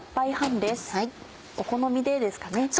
お好みでですかね。